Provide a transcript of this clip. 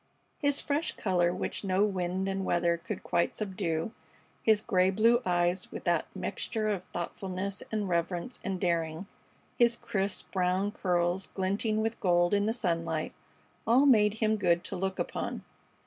His fresh color, which no wind and weather could quite subdue, his gray blue eyes with that mixture of thoughtfulness and reverence and daring, his crisp, brown curls glinting with gold in the sunlight all made him good to look upon.